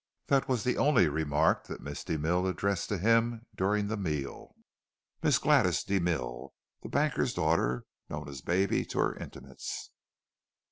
That was the only remark that Miss de Millo addressed to him during the meal (Miss Gladys de Mille, the banker's daughter, known as "Baby" to her intimates).